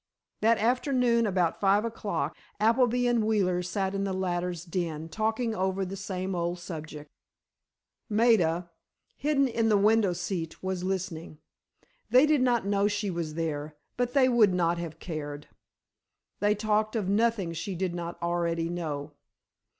That afternoon, about five o'clock, Appleby and Wheeler sat in the latter's den, talking over the same old subject. Maida, hidden in the window seat, was listening. They did not know she was there, but they would not have cared. They talked of nothing she did not already know.